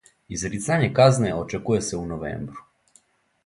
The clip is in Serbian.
Изрицање казне очекује се у новембру.